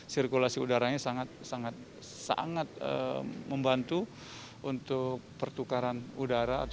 sirkulasi udaranya sangat sangat membantu untuk pertukaran udara